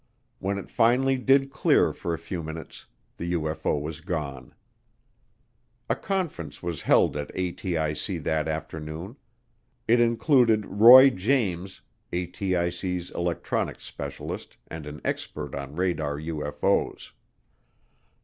When it finally did clear for a few minutes, the UFO was gone. A conference was held at ATIC that afternoon. It included Roy James, ATIC's electronics specialist and expert on radar UFO's.